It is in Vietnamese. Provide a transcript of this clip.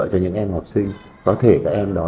cho những em học sinh có thể các em đó